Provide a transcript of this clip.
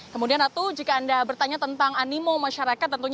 kemudian ratu jika anda bertanya tentang animo masyarakat